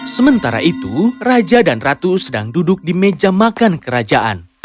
sementara itu raja dan ratu sedang duduk di meja makan kerajaan